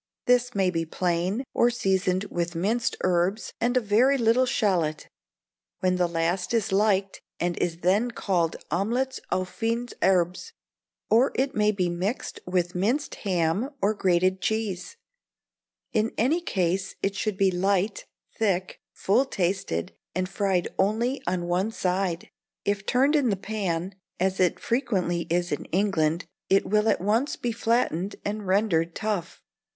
This may be plain, or seasoned with minced herbs and a very little shalot, when the last is liked, and is then called Omelettes aux fines herbes; or it may be mixed with minced ham or grated cheese: in any case it should be light, thick, full tasted, and fried only on one side; if turned in the pan, as it frequently is in England, it will at once be flattened and rendered tough.